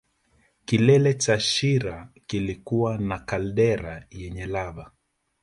Kilele cha shira kilikuwa na kaldera yenye lava